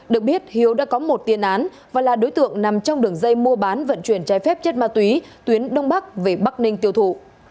được biết hiếu đã có một tiên án và là đối tượng nằm trong đường dây mua bán vận chuyển trái phép chất ma túy tuyến đông bắc về bắc ninh tiêu thụ